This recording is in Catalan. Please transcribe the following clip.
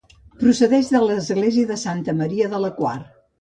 Procedeix de l'església de Santa Maria de la Quar.